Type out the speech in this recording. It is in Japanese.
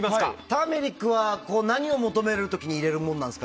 ターメリックは何を求める時に入れるものですか。